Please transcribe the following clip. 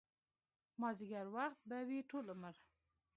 مازديګر وخت به وي ټول عمر